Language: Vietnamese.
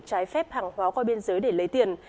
trái phép hàng hóa qua biên giới để lấy tiền